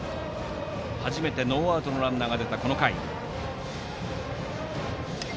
初めてノーアウトのランナーが出たこの回。